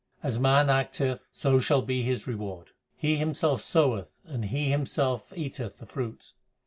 As man acteth, so shall be his reward : He himself soweth and he himself eateth the fruit.